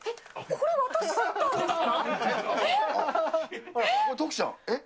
これ私だったんですか？